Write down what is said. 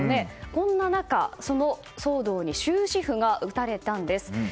こんな中、その騒動に終止符が打たれたんです。